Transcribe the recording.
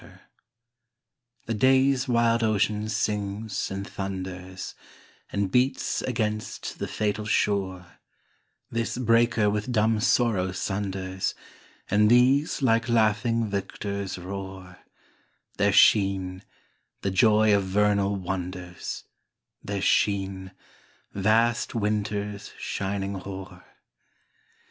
1873) THE DAY'S wild ocean sings and thunders, And beats against the fatal shore, This breaker with dumb sorrow sunders, And these like laughing victors roar, Their sheen—the joy of vernal wonders, Their sheen—vast winter's shining hoar.